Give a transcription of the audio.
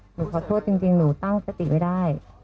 หนูขอโทษจริงหนูตั้งสติไม่ได้